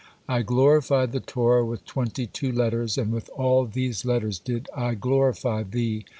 I glorified the Torah with twenty two letters, and with all these letters did I glorify thee.